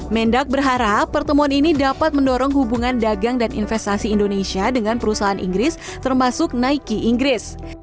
mendak berharap pertemuan ini dapat mendorong hubungan dagang dan investasi indonesia dengan perusahaan inggris termasuk nike inggris